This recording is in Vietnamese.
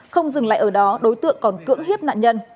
không dừng lại ở đó đối tượng còn cưỡng hiếp nạn nhân